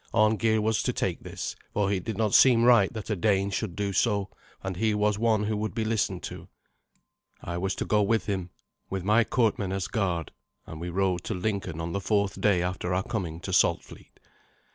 Arngeir was to take this, for it did not seem right that a Dane should do so, and he was one who would be listened to. I was to go with him, with my courtmen as guard; and we rode to Lincoln on the fourth day after our coming to Saltfleet.